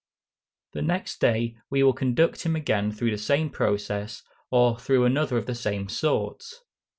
The next day we will conduct him again through the same process, or through another of the same sort.